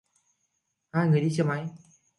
hai người đi xe máy